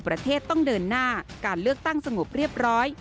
ประเทศต้องเดินหน้าการเลือกตั้งสงบเรียบร้อย